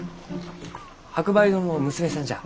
白梅堂の娘さんじゃ。